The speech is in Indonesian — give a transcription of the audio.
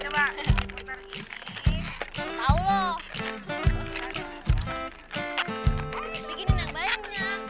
bikinin yang banyak